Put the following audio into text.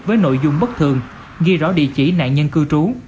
với nội dung bất thường ghi rõ địa chỉ nạn nhân cư trú